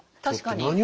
確かに。